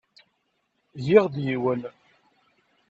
Giɣ-d yiwen.